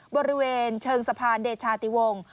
บริเวณเชิงสะพานเดชาติวงศ์